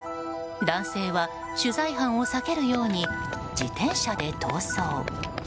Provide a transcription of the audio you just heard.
直撃を試みると男性は取材班を避けるように自転車で逃走。